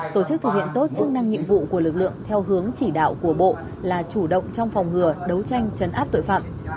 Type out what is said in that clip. tổ chức thực hiện tốt chức năng nhiệm vụ của lực lượng theo hướng chỉ đạo của bộ là chủ động trong phòng ngừa đấu tranh chấn áp tội phạm